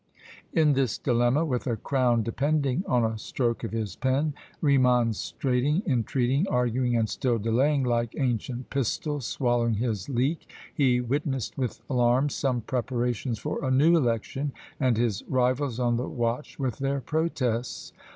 In this dilemma, with a crown depending on a stroke of his pen, remonstrating, entreating, arguing, and still delaying, like "Ancient Pistol" swallowing his leek, he witnessed with alarm some preparations for a new election, and his rivals on the watch with their protests.